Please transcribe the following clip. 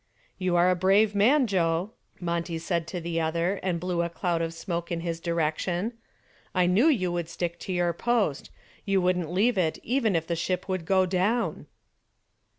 "You are a brave man, Joe," Monty said to the other and blew a cloud of smoke in his direction. "I knew you would stick to your post. You wouldn't leave it even if the ship should go down."